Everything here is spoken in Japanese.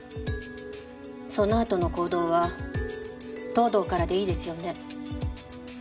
そのあとの行動は藤堂からでいいですよね？